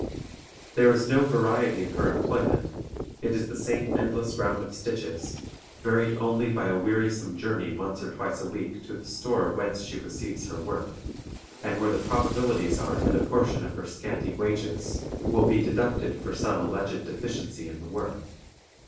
There is no variety in her employment; it is the same endless round of stitches, varied only by a wearisome journey once or twice a week to the store whence she receives her work, and where the probabilities are that a portion of her scanty wages will be deducted for some alleged deficiency in the work.